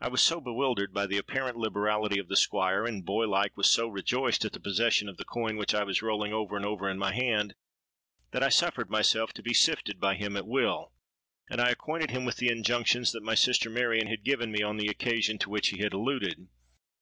'—I was so bewildered by the apparent liberality of the Squire, and, boy like, was so rejoiced at the possession of the coin which I was rolling over and over in my hand, that I suffered myself to be sifted by him at will; and I acquainted him with the injunctions that my sister Marion had given me on the occasion to which he had alluded.